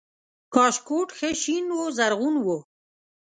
کاشکوټ ښه شین و زرغون و